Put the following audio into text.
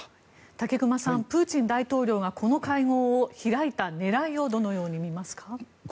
武隈さんプーチン大統領がこの会合を開いた狙いをどのようにみますか？